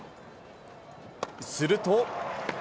すると。